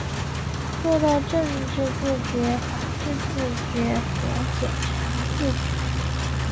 做到政治自觉、法治自觉和检察自觉